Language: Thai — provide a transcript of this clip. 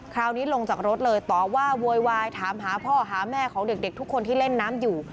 คราวนี้ลงจากรถเลยต่อว่าโวยวายถามหาพ่อหาแม่ของเด็กทุกคนที่เล่นน้ำอยู่